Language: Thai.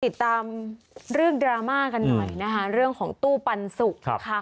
ติดตามเรื่องดราม่ากันหน่อยนะคะเรื่องของตู้ปันสุกค่ะ